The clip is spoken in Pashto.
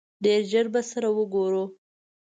ډېر ژر به سره ګورو!